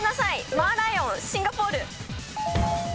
マーライオンシンガポール。